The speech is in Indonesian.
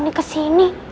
buat apa sih